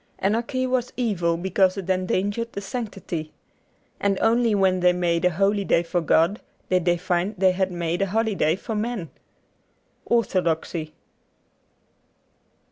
Anarchy was evil because it endangered the sanctity. And only when they made a holy day for God did they find they had made a holiday for men. ' Orthodoxy.